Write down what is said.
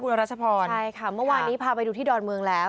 รัชพรใช่ค่ะเมื่อวานนี้พาไปดูที่ดอนเมืองแล้ว